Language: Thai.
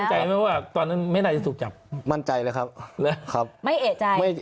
มั่นใจไหมว่าตอนนั้นไม่ได้ถูกจับมั่นใจเลยครับครับไม่เอกใจไม่